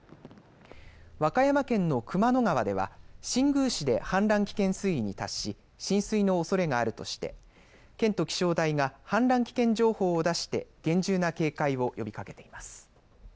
和歌山県の熊野川では新宮市で氾濫危険水位に達し浸水のおそれがあるとして県と気象台が氾濫危険情報を出して厳重な警戒を呼びかけています。